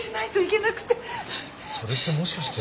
それってもしかして。